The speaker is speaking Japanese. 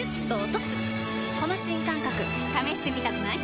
この新感覚試してみたくない？